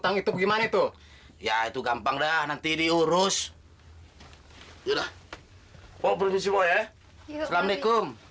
ayoi aku bisa menghabiskan alamat aja ya pak